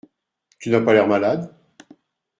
Tu n’as pas l’air malade.